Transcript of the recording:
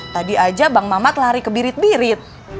tadi aja bang mamat lari ke birit birit